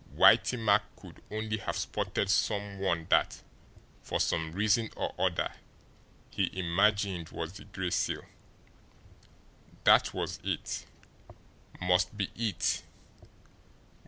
Whitey Mack could only have spotted some one that, for some reason or other, he IMAGINED was the Gray Seal. That was it must be it!